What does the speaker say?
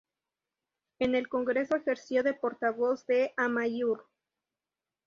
En el Congreso ejerció de portavoz de Amaiur.